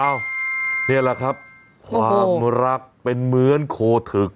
อ้าวนี่แหละครับโอ้โกความรักเป็นเหมือนโคถรึก